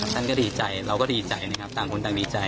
ท่านก็ดีใจเราก็ดีใจนะครับต่างคนต่างดีใจ